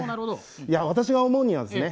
いや私が思うにはですね